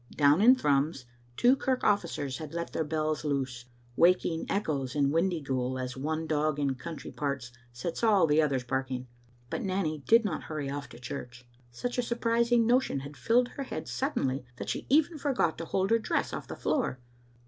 Down in Thrums two kirk ofScers had let their bells loose, waking echoes in Wind3^ghoul as one dog in country parts sets all the others barking, but Nanny did not hurry off to church. Such a surprising notion had filled her head suddenly that she even forgot to hold her dress off the floor.